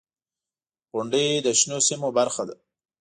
• غونډۍ د شنو سیمو برخه ده.